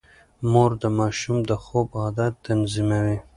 مور د ماشوم د خوب عادت تنظيموي.